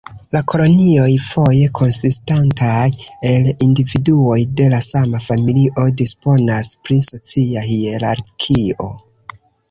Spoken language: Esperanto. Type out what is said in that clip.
La kolonioj, foje konsistantaj el individuoj de la sama familio, disponas pri socia hierarkio.